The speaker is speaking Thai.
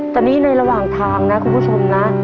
แต่นี่ในระหว่างทางนะคุณผู้ชมนะ